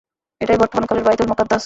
এটাই বর্তমান কালের বায়তুল মুকাদ্দাস।